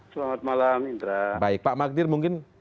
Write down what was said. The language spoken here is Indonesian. selamat malam indra